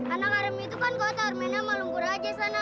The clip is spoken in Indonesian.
anak arem itu kan kotor main sama lumpur aja sana